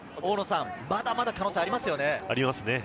まだまだ可能性はありますよね？